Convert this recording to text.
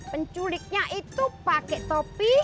penculiknya itu pake topi